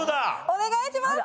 お願いします！